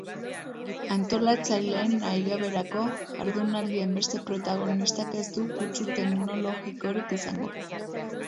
Antolatzaileen nahigaberako, jardunaldien beste protagonistak ez du kutsu teknologikorik izango.